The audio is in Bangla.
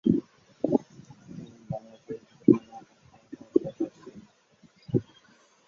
তিনি বাংলা চলচ্চিত্রের মাধ্যমে তার কর্মজীবন শুরু করেছিলেন।